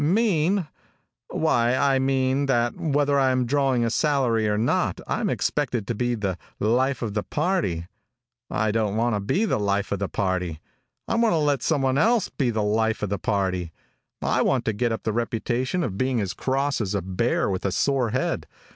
"Mean? Why, I mean that whether I'm drawing a salary or not, I'm expected to be the 'life of the party.' I don't want to be the life of the party. I want to let some one else be the life of the party. I want to get up the reputation of being as cross as a bear with a sore head.